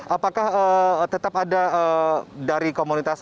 apakah tetap ada dari komunitas